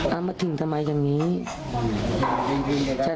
แต่พอมันมีประเด็นเรื่องโควิด๑๙ขึ้นมาแล้วก็ยังไม่มีผลชาญสูตรที่บ้าน